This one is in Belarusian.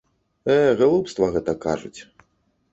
Э, глупства гэта кажуць!